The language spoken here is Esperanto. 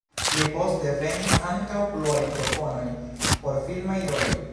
Pli poste venis ankaŭ pluaj proponoj por filmaj roloj.